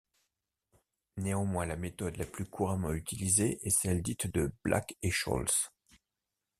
Néanmoins la méthode la plus couramment utilisée est celle dite de Black & Scholes.